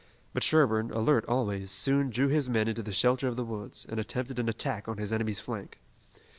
But Sherburne, alert always, soon drew his men into the shelter of the woods, and attempted an attack on his enemy's flank.